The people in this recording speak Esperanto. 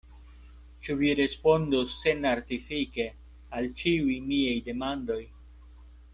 Ĉu vi respondos senartifike al ĉiuj miaj demandoj?